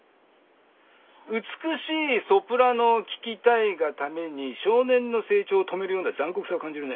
美しいソプラノを聞きたいがために少年の成長を止めるような残酷さを感じるね。